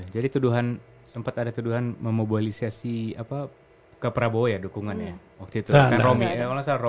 jadi sempat ada tuduhan memobilisasi ke prabowo ya dukungannya